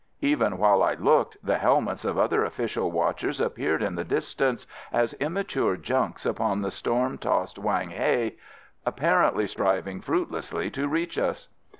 Even while I looked, the helmets of other official watchers appeared in the distance, as immature junks upon the storm tossed Whang Hai, apparently striving fruitlessly to reach us.